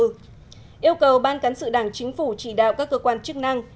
đồng chí tổng bí thư nguyễn phú trọng yêu cầu ban cán sự đảng chính phủ chỉ đạo các cơ quan chức năng